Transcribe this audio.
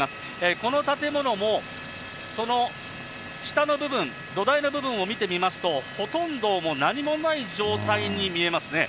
この建物も、その下の部分、土台の部分を見てみますと、ほとんどもう、何もない状態に見えますね。